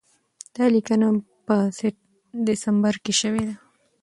دا لیکنه په ډسمبر کې شوې ده.